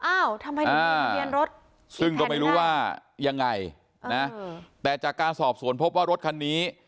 อ้าวทำไมถึงมีทะเบียนรถซึ่งก็ไม่รู้ว่ายังไงนะแต่จากการสอบสวนพบว่ารถคันนี้